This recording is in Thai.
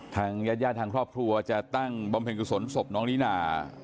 ทางญาติญาติทางครอบครัวจะตั้งบำเพ็ญกุศลศพน้องนิน่า